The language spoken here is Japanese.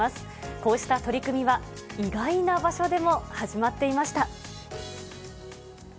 こうした取り組みは意外な場所でも始まっていました。